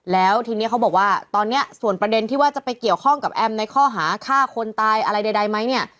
แล้วทีนี้เขาบอกว่าตอนนี้ส่วนประเด็นที่ว่าจะไปเกี่ยวข้องกับแอมในข้อหาฆ่าคนตายอะไรใดไหมเนี่ย